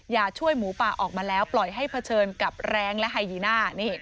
อย่าช่วยหมูป่าออกมาแล้วปล่อยให้เผชิญกับแรงและไฮยีน่า